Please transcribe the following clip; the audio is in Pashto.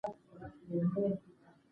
ژبه د افهام او تفهیم اسانه لار ده.